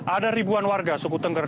ada ribuan warga subuh tengger